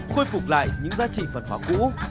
khôi phục lại những giá trị văn hóa cũ